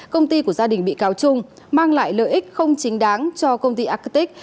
công ty của gia đình bị cáo trung mang lại lợi ích không chính đáng cho công ty acaic